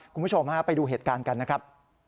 คุณผู้ชมฮะไปดูเหตุการณ์กันนะครับ